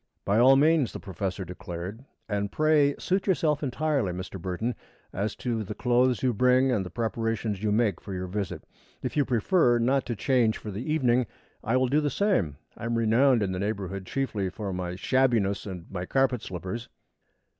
"By all means," the professor declared. "And pray suit yourself entirely, Mr. Burton, as to the clothes you bring and the preparations you make for your visit. If you prefer not to change for the evening, I will do the same. I am renowned in the neighborhood chiefly for my shabbiness and my carpet slippers."